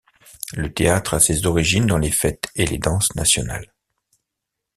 Le théâtre a ses origines dans les fêtes et les danses nationales.